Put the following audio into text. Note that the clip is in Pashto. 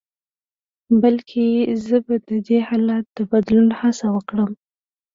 بلکې زه به د دې حالت د بدلون هڅه وکړم.